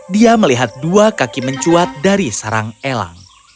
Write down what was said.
dia melihat dua kaki mencuat dari sarang elang